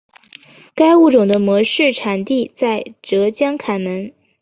该物种的模式产地在浙江坎门。